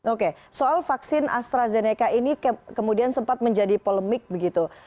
oke soal vaksin astrazeneca ini kemudian sempat menjadi polemik begitu